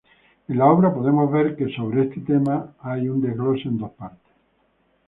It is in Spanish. En la obra podemos ver que sobre este tema un desglose en dos partes.